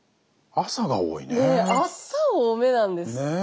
ねっ朝多めなんですね